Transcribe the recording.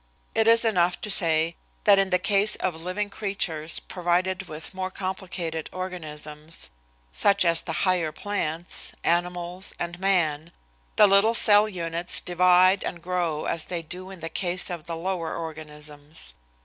It is enough to say that in the case of living creatures provided with more complicated organisms, such as the higher plants, animals and man, the little cell units divide and grow as they do in the case of the lower organisms.